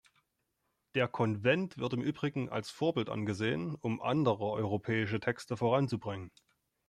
Der Konvent wird im Übrigen als Vorbild angesehen, um andere europäische Texte voranzubringen.